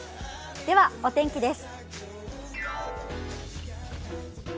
では、お天気です。